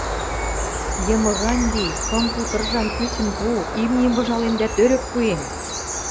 Йымы гань ли, кым пуд ыржам кӱсӹн пу, имним выжалем дӓ тӧрӧк пуэм.